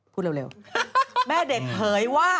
พูดเร็ว